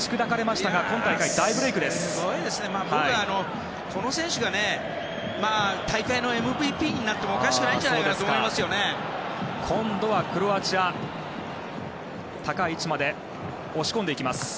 すごいですよね、僕はこの選手が大会ＭＶＰになってもおかしくないんじゃないかと思います。